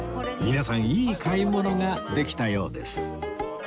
皆さんいい買い物ができたようです